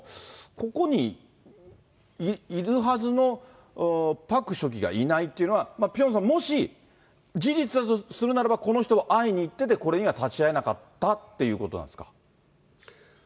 ここにいるはずのパク書記がいないというのは、ピョンさん、もし事実だとするならば、この人は会いに行ってて、これには立ち会えなかったということなんですか。